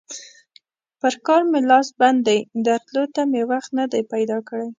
پر کار مې لاس بند دی؛ درتلو ته مې وخت نه دی پیدا کړی.